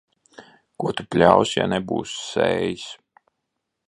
Ko tu pļausi, ja nebūsi sējis.